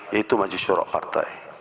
yaitu maju shorok partai